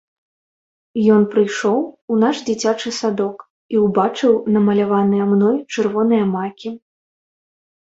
Ён прыйшоў у наш дзіцячы садок і ўбачыў намаляваныя мной чырвоныя макі.